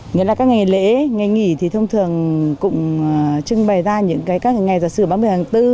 nghĩa là các ngày lễ ngày nghỉ thì thông thường cũng trưng bày ra những cái các ngày giả sử ba mươi tháng bốn